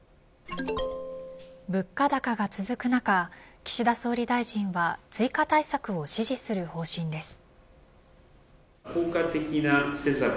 物価高が続く中岸田総理大臣は追加対策を指示する方針です。